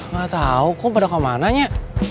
gak tau kok pada ke mananya